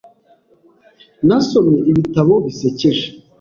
Nasomye ibitabo bisekeje .